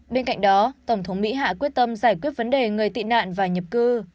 bên cạnh đó tổng thống mỹ hạ quyết tâm giải quyết vấn đề người tị nạn và nhập cư